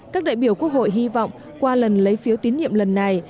các đại biểu quốc hội hy vọng qua lần lấy phiếu tín nhiệm lần này